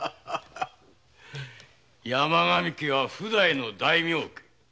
山上家は譜代の大名家。